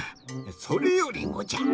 それよりもじゃ！